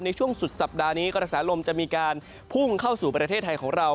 ในช่วงสุดสัปดาห์นี้กระแสลมจะมีการพุ่งเข้าสู่ประเทศไทยของเรา